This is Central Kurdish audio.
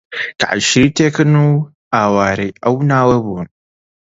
کە عەشیرەتێکن و ئاوارەی ئەو ناوە بوون